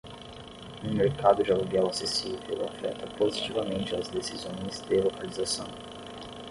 Um mercado de aluguel acessível afeta positivamente as decisões de localização.